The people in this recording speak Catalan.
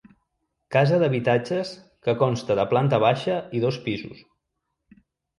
Casa d'habitatges que consta de planta baixa i dos pisos.